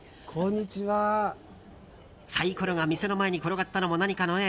サイコロが店の前に転がったのも何かの縁。